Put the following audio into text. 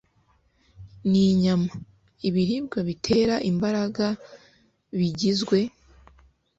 n'inyama. ibiribwa bitera imbaraga bigizwe